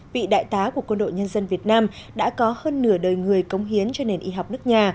vị đại tá của quân đội nhân dân việt nam đã có hơn nửa đời người cống hiến cho nền y học nước nhà